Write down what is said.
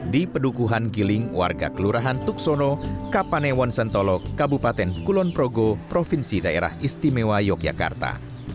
di pedukuhan giling warga kelurahan tuksono kapanewon sentolo kabupaten kulonprogo provinsi daerah istimewa yogyakarta